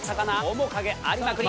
面影ありまくり。